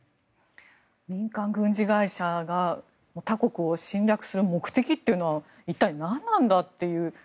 民間軍事会社が他国を侵略する目的というのは一体なんなんだという。